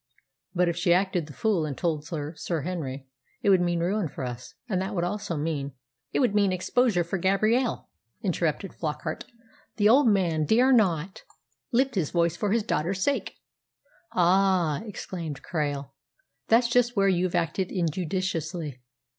"But if she acted the fool and told Sir Henry, it would mean ruin for us, and that would also mean " "It would mean exposure for Gabrielle," interrupted Flockart. "The old man dare not lift his voice for his daughter's sake." "Ah," exclaimed Krail, "that's just where you've acted injudiciously!